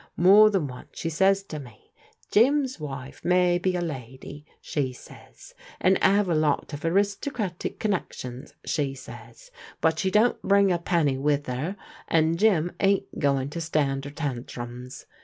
More than once she says to me, 'Jim's wife may be a lady,' she says, 'and *ave a lot of aristocratic connec tions,' she says, 'but she don't bring a penny with 'er, and Jim ain't going to stand 'er tantrums.'